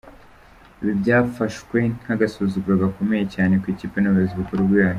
Ibi byafashwe nk’agasuzuguro gakomeye cyane ku ikipe n’ubuyobozi bukuru bwayo.